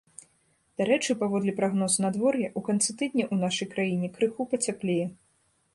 Дарэчы, паводле прагнозу надвор'я, у канцы тыдня ў нашай краіне крыху пацяплее.